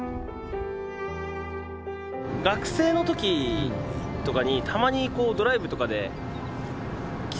学生のときとかにたまにこうドライブとかで来てたんですよね。